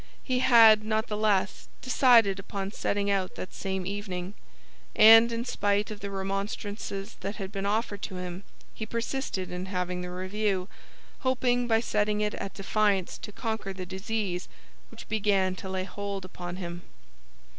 He had, not the less, decided upon setting out that same evening; and in spite of the remonstrances that had been offered to him, he persisted in having the review, hoping by setting it at defiance to conquer the disease which began to lay hold upon him.